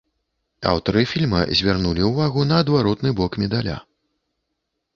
Аўтары фільма звярнулі ўвагу на адваротны бок медаля.